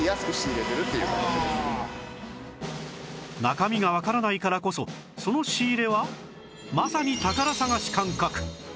中身がわからないからこそその仕入れはまさに宝探し感覚